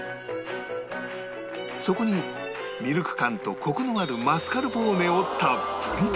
そこにミルク感とコクのあるマスカルポーネをたっぷりと